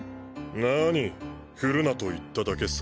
なあに振るなと言っただけさ。